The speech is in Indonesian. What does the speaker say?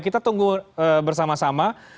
kita tunggu bersama sama